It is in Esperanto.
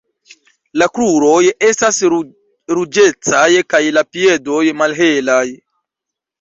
La kruroj estas ruĝecaj kaj la piedoj malhelaj.